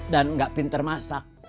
dan gak pinter masak